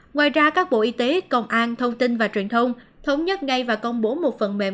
ngoài ra các bộ y tế công an thông tin và truyền thông thống nhất ngay và công bố một phần mềm